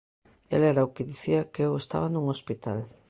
El era o que dicía que eu estaba nun hospital.